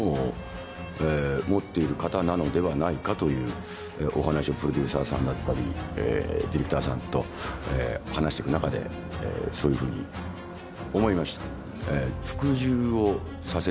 ではないかというお話をプロデューサーさんだったりディレクターさんと話してく中でそういうふうに思いました。